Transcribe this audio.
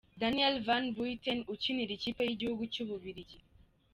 Daniel Van Buyten ukinira ikipe y’igihugu cy’Ububiligi.